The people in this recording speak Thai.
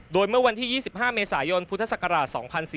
โดยเมื่อวันที่๒๕เมษายนพุทธศักราช๒๔๔